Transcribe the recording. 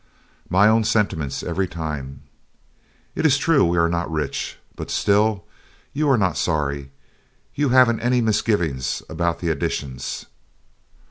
"My own sentiments every time. It is true we are not rich but still you are not sorry you haven't any misgivings about the additions?"